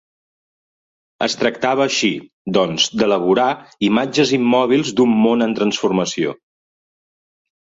Es tractava així, doncs, d'elaborar imatges immòbils d'un món en transformació.